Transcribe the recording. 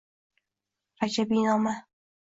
«Rajabiynoma»